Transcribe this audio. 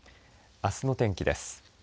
あすの天気です。